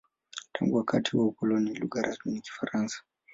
Tangu wakati wa ukoloni, lugha rasmi ni Kifaransa.